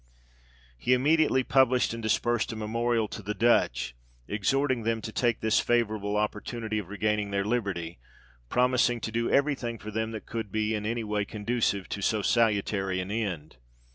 He immediately published and dispersed a memorial to the Dutch, exhorting them to take this favourable opportunity of regaining their liberty, promising to do everything for them that could be any way conducive to so salutary an end.